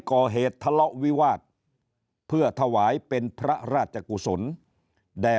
ก่อเหตุทะเลาะวิวาสเพื่อถวายเป็นพระราชกุศลแด่